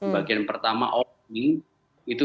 bagian pertama itu